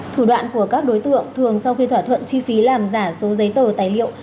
thủ đoạn của các đối tượng thường sau khi thỏa thuận chi phí làm giả số giấy tờ tài liệu